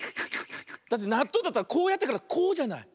だってなっとうだったらこうやってからこうじゃない？